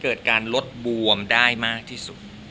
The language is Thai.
เกิดการลดบวมได้มากที่สุด